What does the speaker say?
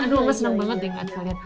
aduh aku senang banget dengan kalian